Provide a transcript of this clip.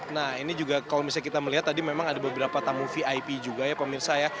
nah ini juga kalau misalnya kita melihat tadi memang ada beberapa tamu vip juga ya pemirsa ya